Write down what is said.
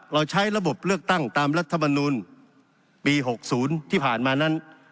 เราใช้ระบบเลือกตั้งตามรัฐมนูลปี๖๐ที่ผ่านมานั้น